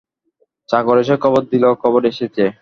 চাকর এসে খবর দিল খাবার এসেছে।